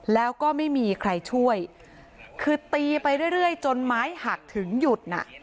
แล้วก็ไม่มีใครช่วยคือตีไปเรื่อยจนไม้หักถึงหยุดน่ะ